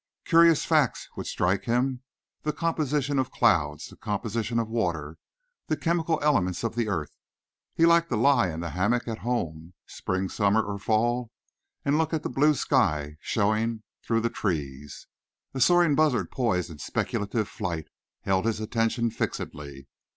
Curious facts would strike him the composition of clouds, the composition of water, the chemical elements of the earth. He liked to lie in the hammock at home, spring, summer or fall, and look at the blue sky showing through the trees. A soaring buzzard poised in speculative flight held his attention fixedly.